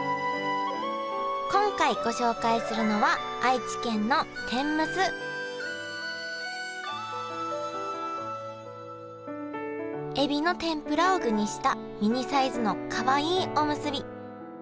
今回ご紹介するのはエビの天ぷらを具にしたミニサイズのかわいいおむすび。